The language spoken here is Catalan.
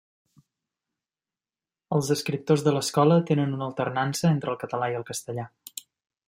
Els escriptors de l'Escola tenen una alternança entre el català i el castellà.